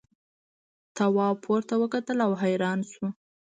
تواب پورته وکتل او حیران شو.